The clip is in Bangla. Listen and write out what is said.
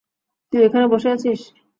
তুই এখানে বসে আছিস!